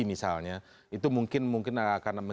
kemudian diklaim hanya sebagai sebuah prestasi